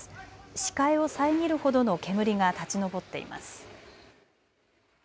視界を遮るほどの煙が立ち上っています。